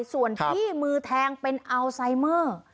ส่วนที่มือแทงเป็นอัลไซเมอร์